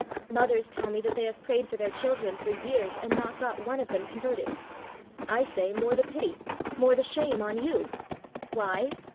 Mothers tell me that they have prayed for their children for years, and not got one of them converted. I say, "More the pity; more the shame on you." Why?